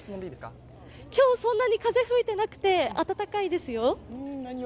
今日、そんなに風は吹いてなくて暖かいですよ。